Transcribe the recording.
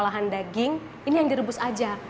olahan daging ini yang direbus aja